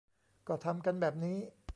ก็ทำกันแบบนี้